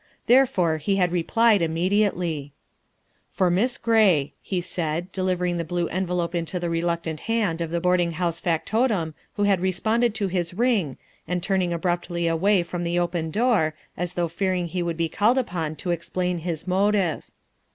Therefore he had replied imme diately. " For Miss Gray," he said, delivering the blue enve 318 THE WIFE OF lope into the reluctant hand of the boarding house fac totum who had responded to his ring and turning abruptly away from the open door, as though fearing he would be called upon to explain his motive.